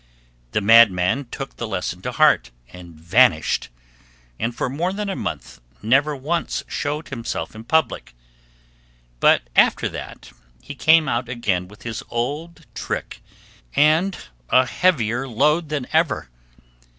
The madman took the lesson to heart, and vanished, and for more than a month never once showed himself in public; but after that he came out again with his old trick and a heavier load than ever.